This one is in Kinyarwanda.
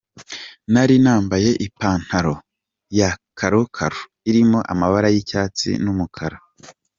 Nari nambaye ipantaro ya karo karo irimo amabara y’icyatsi n’umukara.